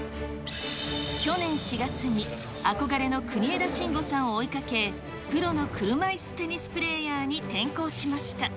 去年４月に憧れの国枝慎吾さんを追いかけ、プロの車いすテニスプレーヤーに転向しました。